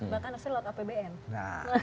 bahkan hasilnya oleh kpbn